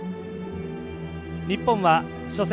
日本は初戦